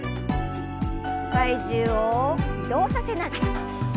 体重を移動させながら。